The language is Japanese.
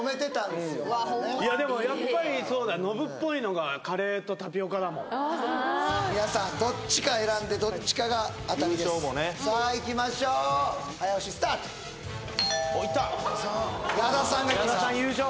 でもやっぱりそうだノブっぽいのがカレーとタピオカだもん皆さんどっちか選んでどっちかが当たりですさあいきましょう早押しスタート・おいった矢田さんがいきました